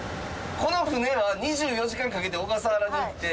この船は２４時間かけて小笠原に行って。